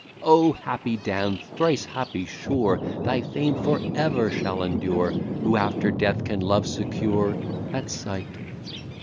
O happy Dan! thrice happy sure! Thy fame for ever shall endure, Who after death can love secure at sight.